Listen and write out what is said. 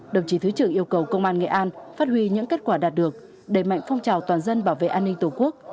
đồng chí thứ trưởng yêu cầu công an nghệ an phát huy những kết quả đạt được đẩy mạnh phong trào toàn dân bảo vệ an ninh tổ quốc